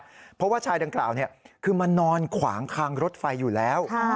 เพราะว่าชายดังกล่าวคือมานอนขวางคางรถไฟอยู่แล้ว